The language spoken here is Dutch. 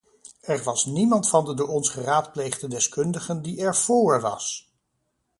Er was niemand van de door ons geraadpleegde deskundigen die er vóór was.